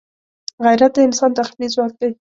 غیرت د انسان داخلي ځواک دی